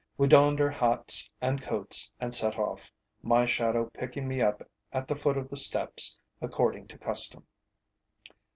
We donned our hats and coats and set off, my shadow picking me up at the foot of the steps according to custom.